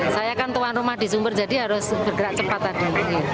saya kan tuan rumah di sumber jadi harus bergerak cepat tadi